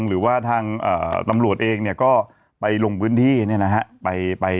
หรือว่าทางตำรวจเองเนี่ยก็ไปลงพื้นที่เนี่ยนะฮะ